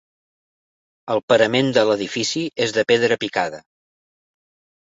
El parament de l'edifici és de pedra picada.